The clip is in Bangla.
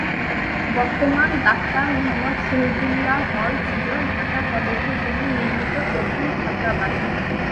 বর্তমান ডাক্তার মুহম্মদ শহীদুল্লাহ হল ছিল ঢাকা কলেজের জন্য নির্মিত প্রথম ছাত্রাবাস।